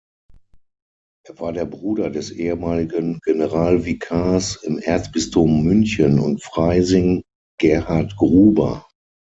Er war der Bruder des ehemaligen Generalvikars im Erzbistum München und Freising Gerhard Gruber.